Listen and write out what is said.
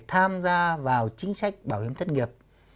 tham gia vào chính sách bảo hiểm thất nghiệp